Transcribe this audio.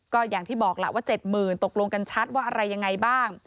ก็อย่างที่บอกล่ะว่า๗๐๐ตกลงกันชัดว่าอะไรยังไงบ้าง